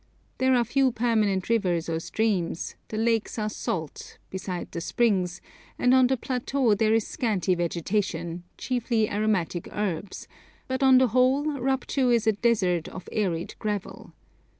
There are few permanent rivers or streams, the lakes are salt, beside the springs, and on the plateaux there is scanty vegetation, chiefly aromatic herbs; but on the whole Rupchu is a desert of arid gravel.